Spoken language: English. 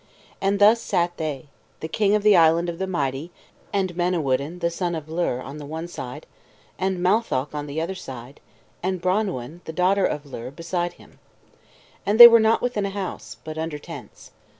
And thus sat they: the king of the Island of the Mighty and Manawyddan, the son of Llyr, on one side, and Matholch on the other side, and Branwen, the daughter of Llyr, beside him. And they were not within a house, but under tents.